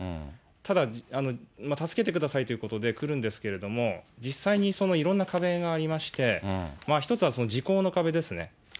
ただ、助けてくださいということで来るんですけれども、実際にそのいろんな壁がありまして、１つはその時効の壁ですね。